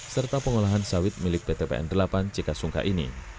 serta pengolahan sawit milik ptpn delapan cekasungka ini